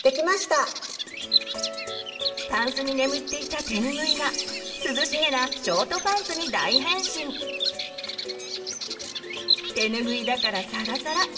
たんすに眠っていたてぬぐいが涼しげなショートパンツに大変身！てぬぐいだからサラサラ！